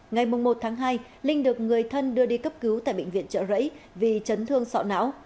ngày một tháng hai linh được người thân đưa đi cấp cứu tại bệnh viện trợ rẫy vì chấn thương sọ não